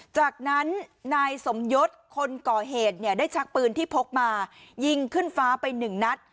จากนั้นนายสมยศคนก่อเหตุเนี่ยได้ชักปืนที่พกมายิงขึ้นฟ้าไปหนึ่งนัด